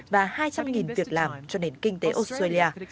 và hai trăm linh việc làm cho nền kinh tế australia